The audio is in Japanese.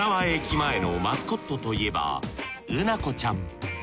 前のマスコットといえばうなこちゃん。